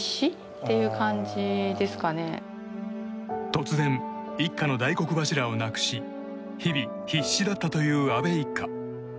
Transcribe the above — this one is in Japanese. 突然、一家の大黒柱を亡くし日々必死だったという阿部一家。